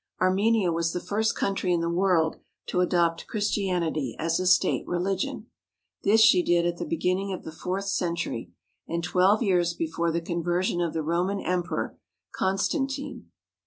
Armenia was the first country in the world to adopt Christianity as a state religion. This she did at the beginning of the fourth century and twelve years before the conversion of the Roman emperor, Constantine.